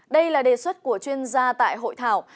đây là đề xuất của chuyên gia tại hội thảo